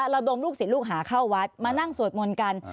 พระลูกศิลป์ลูกศิลป์หาเข้าวัดมานั่งสวดมนตร์กัน